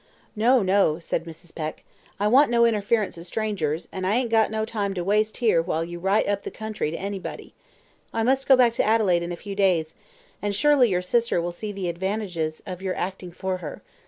"No, no," said Mrs. Peck; "I want no interference of strangers, and I ain't got no time to waste here while you write up the country to anybody. I must go back to Adelaide in a few days, and surely your sister will see the advantages of your acting for her.